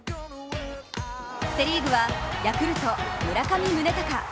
セ・リーグはヤクルト・村上宗隆。